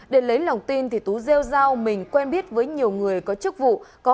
để lấy lòng tin tú rêu giao mình quen biết với nhiều người có chức vụ